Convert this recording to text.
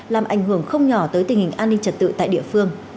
làm ảnh hưởng không nhỏ tới tình hình an ninh trật tự tại địa phương